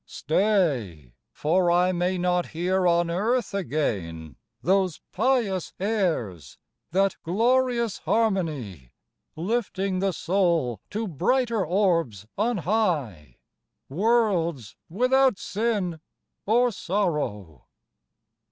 Stay, for I may not hear on earth again Those pious airs that glorious harmony; Lifting the soul to brighter orbs on high, Worlds without sin or sorrow!